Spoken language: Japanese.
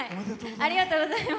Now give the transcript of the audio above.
ありがとうございます。